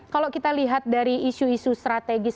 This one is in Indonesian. kalau kita lihat dari isu isu strategis